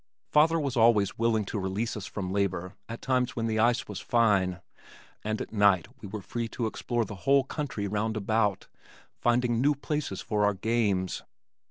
Father was always willing to release us from labor at times when the ice was fine, and at night we were free to explore the whole country round about, finding new places for our games.